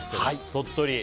鳥取。